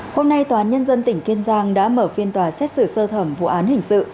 hôm nay tòa án nhân dân tỉnh kiên giang đã mở phiên tòa xét xử sơ thẩm vụ án hình sự